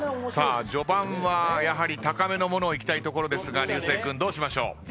さあ序盤はやはり高めのものをいきたいところですが流星君どうしましょう？